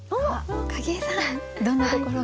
景井さんどんなところが？